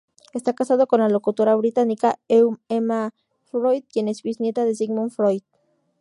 Esta casado con la locutora británica Emma Freud, quien es bisnieta de Sigmund Freud.